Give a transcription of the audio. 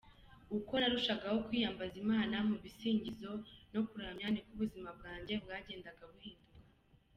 Uko narushagaho kwiyambaza Imana mu bisingizo no kuramya niko ubuzima bwanjye bwagendaga buhinduka.